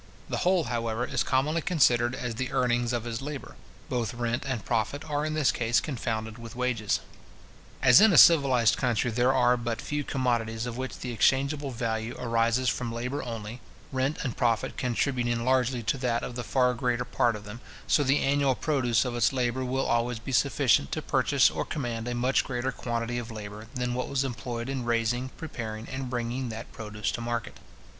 The whole, however, is commonly considered as the earnings of his labour. Both rent and profit are, in this case, confounded with wages. As in a civilized country there are but few commodities of which the exchangeable value arises from labour only, rent and profit contributing largely to that of the far greater part of them, so the annual produce of its labour will always be sufficient to purchase or command a much greater quantity of labour than what was employed in raising, preparing, and bringing that produce to market.